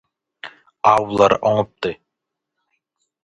Awlary oňupdy.